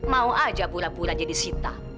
beberapa orang akan berpura pura jadi sita